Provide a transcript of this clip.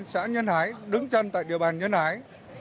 xã nhân hải đứng chân tại địa bàn nhân hải